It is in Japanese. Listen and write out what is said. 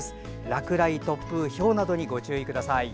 落雷、突風、ひょうなどに注意してください。